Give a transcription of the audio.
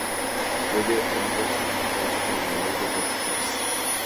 Roger L. Jackson regresó como la voz de Ghostface.